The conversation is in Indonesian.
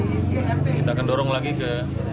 kita akan dorong lagi ke